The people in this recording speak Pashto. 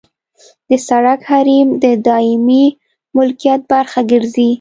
د سرک حریم د دایمي ملکیت برخه ګرځي